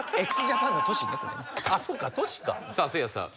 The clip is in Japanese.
さあせいやさん。